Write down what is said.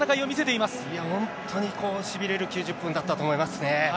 いや、本当にしびれる９０分だったと思いますね。